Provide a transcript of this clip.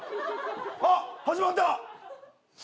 あっ始まった。